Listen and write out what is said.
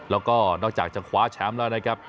แล้วก็นอกจากจะคว้าแชมป์แล้วนะครับ